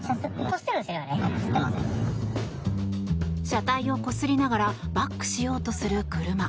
車体をこすりながらバックしようとする車。